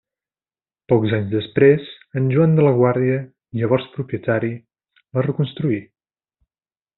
Pocs anys després en Joan de la Guàrdia, llavors propietari, la reconstruí.